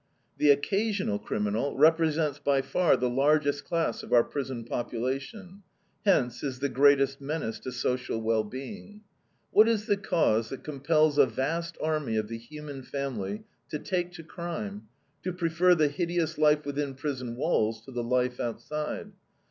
The occasional criminal "represents by far the largest class of our prison population, hence is the greatest menace to social well being." What is the cause that compels a vast army of the human family to take to crime, to prefer the hideous life within prison walls to the life outside?